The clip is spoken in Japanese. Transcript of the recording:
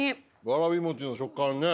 わらび餅の食感ね。